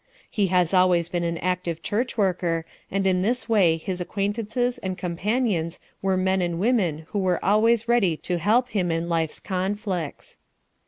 He has always been an active church worker, and in this way his acquaintances and companions were men and women who were always ready to help him in life's conflicts.